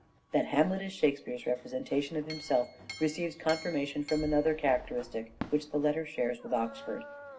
That Hamlet is Shakespeare's representation of himself receives confirmation from another character istic which the latter shares with Oxford.